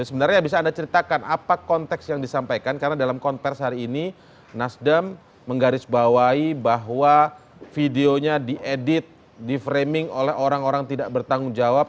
sebenarnya bisa anda ceritakan apa konteks yang disampaikan karena dalam konferensi hari ini nasdem menggarisbawahi bahwa videonya diedit di framing oleh orang orang tidak bertanggung jawab